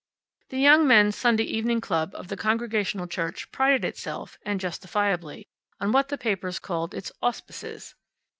The Young Men's Sunday Evening Club of the Congregational Church prided itself (and justifiably) on what the papers called its "auspices."